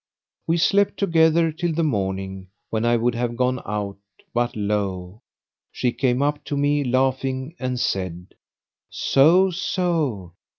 We slept together till the morning, when I would have gone out; but lo! she came up to me, laughing, and said, "So! So!